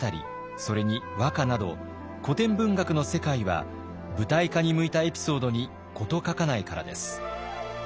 それに和歌など古典文学の世界は舞台化に向いたエピソードに事欠かないからです。